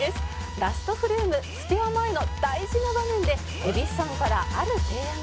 「ラストフレームスペア前の大事な場面で蛭子さんからある提案が」